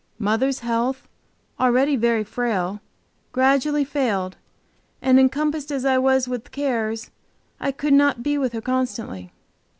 Mother's health, already very frail, gradually failed, and encompassed as I was with cares, I could not be with her constantly.